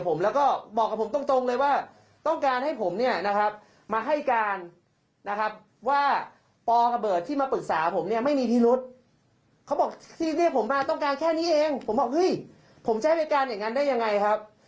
ผมบอกเฮ้ยผมจะให้เป็นการอย่างนั้นได้ยังไงครับ